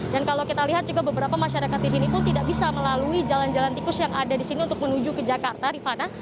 dan kalau kita lihat juga beberapa masyarakat di sini pun tidak bisa melalui jalan jalan tikus yang ada di sini untuk menuju ke jakarta rifana